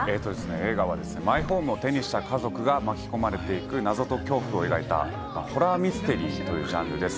映画はマイホームを手にした家族が巻き込まれていく謎と恐怖を描いたホラーミステリーという特殊ジャンルです。